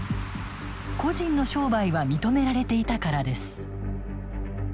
個人の商売は認められていたからです。